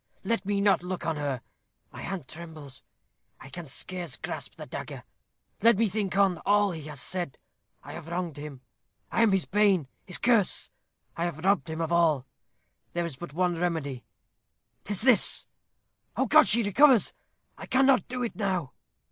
Let me not look on her. My hand trembles. I can scarce grasp the dagger. Let me think on all he has said. I have wronged him. I am his bane, his curse! I have robbed him of all: there is but one remedy 'tis this! Oh, God! she recovers. I cannot do it now."